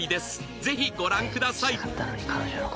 ぜひご覧ください